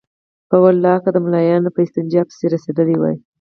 په والله که د ملايانو په استنجا پسې رسېدلي وای.